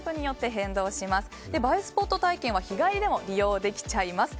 映えスポット体験は日帰りでも利用できちゃいます。